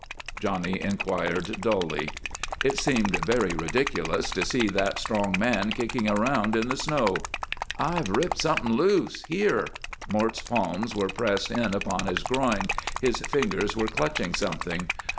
Johnny inquired, dully. It seemed very ridiculous to see that strong man kicking around in the snow. "I've ripped something loose here." Mort's palms were pressed in upon his groin, his fingers were clutching something.